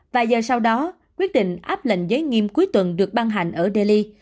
vài giờ sau đó quyết định áp lệnh giới nghiêm cuối tuần được ban hành ở delhi